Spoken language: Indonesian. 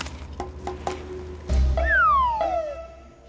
jangan terlalu banyak